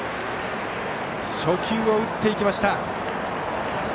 初球を打っていきました。